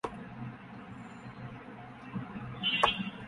তিনি দরজায় আওয়াজ দিলেন।